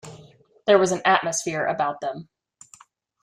There was an atmosphere about them.